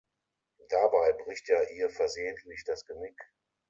Dabei bricht er ihr versehentlich das Genick.